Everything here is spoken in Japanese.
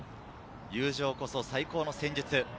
「友情こそ最高の戦術」。